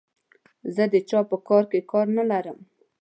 زه د چا په کار کې کار نه لرم.